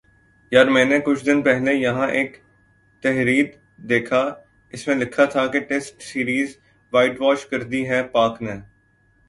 یار میں نے کچھ دن پہلے یہاں ایک تھریڈ دیکھا اس میں لکھا تھا ٹیسٹ سیریز وائٹ واش کر دی ہے پاک نے